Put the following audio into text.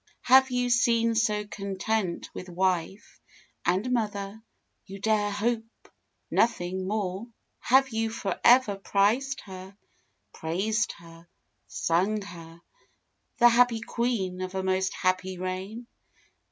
Have you been so content with "wife and mother," You dare hope nothing more? Have you forever prized her, praised her, sung her, The happy queen of a most happy reign?